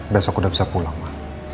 besok aku udah bisa pulang ma